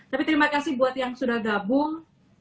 tapi terima kasih buat yang sudah gabung